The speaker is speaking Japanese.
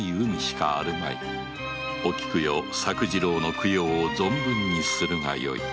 おきくよ作次郎の供養を存分にするがよい。